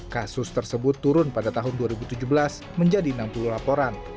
kasus tersebut turun pada tahun dua ribu tujuh belas menjadi enam puluh laporan